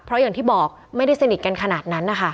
เพราะอย่างที่บอกไม่ได้สนิทกันขนาดนั้นนะคะ